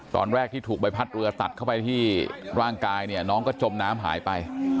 ตอนแรกที่ถูกใบพัดเรือตัดเข้าไปที่ร่างกายเนี่ยน้องก็จมน้ำหายไป